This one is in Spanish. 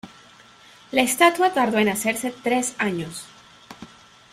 La estatua tardó en hacerse tres años.